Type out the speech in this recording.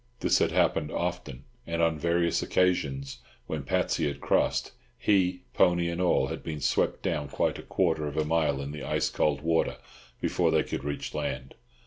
This had happened often, and on various occasions when Patsy had crossed, he, pony and all, had been swept down quite a quarter of a mile in the ice cold water before they could reach land.